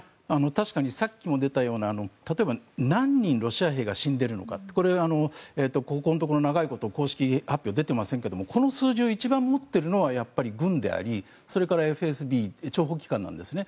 確かにさっきも出たような例えば何人、ロシア兵が死んでいるのかこれはここのところ、長いこと公式発表が出ていませんがこの数字を一番持っているのは軍でありそれからＦＳＢ諜報機関なんですね。